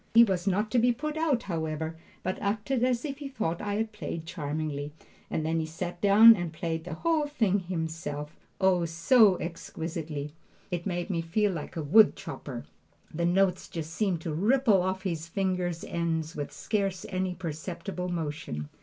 He was not to be put out, however, but acted as if he thought I had played charmingly, and then he sat down and played the whole thing himself, oh, so exquisitely! It made me feel like a wood chopper. The notes just seemed to ripple off his fingers' ends with scarce any perceptible motion.